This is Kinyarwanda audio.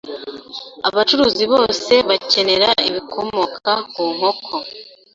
abacuruzi bose bakenera ibikomoka ku nkoko